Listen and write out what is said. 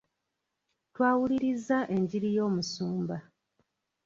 Twawulirizza enjiri y'omusumba.